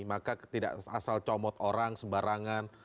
maka tidak asal comot orang sembarangan